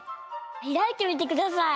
ひらいてみてください。